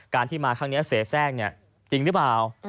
การที่มาข้างนี้เสียแทรกเนี่ยจริงหรือเปล่า